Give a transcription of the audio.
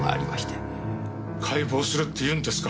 解剖するって言うんですか？